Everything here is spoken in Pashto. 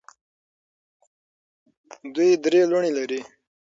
دوی درې لوڼې لري.